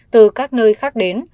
từ các nơi khác đến